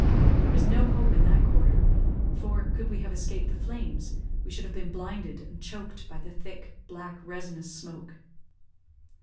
There was no hope in that quarter, for, could we have escaped the flames, we should have been blinded and choked by the thick, black, resinous smoke.